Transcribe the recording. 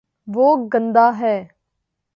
وہ گندا ہے